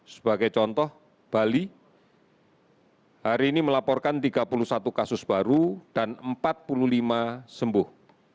sebagai contoh bali hari ini melaporkan tiga puluh satu kasus baru dan empat puluh lima sembuh